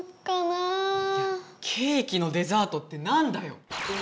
いやケーキのデザートってなんだよ！